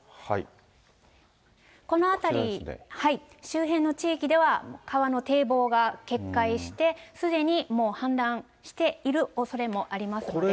この辺り周辺の地域では、川の堤防が決壊して、すでにもう、氾濫しているおそれもありますので。